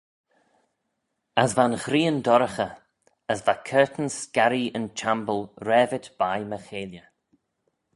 As va'n ghrian dorraghey, as va curtan scarree yn chiamble raipit veih-my cheilley.